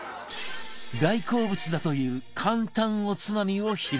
大好物だという簡単おつまみを披露